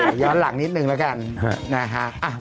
โอเคย้อนหลังนิดหนึ่งนะครับ